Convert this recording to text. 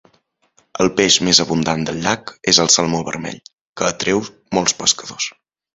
El peix més abundant del llac és el salmó vermell, que atreu molts pescadors.